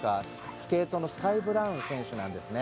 スケートのスカイ・ブラウン選手なんですね。